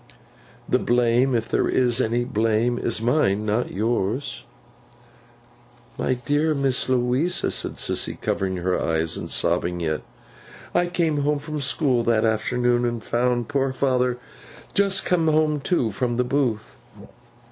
The blame, if there is any blame, is mine, not yours.' 'Dear Miss Louisa,' said Sissy, covering her eyes, and sobbing yet; 'I came home from the school that afternoon, and found poor father just come home too, from the booth.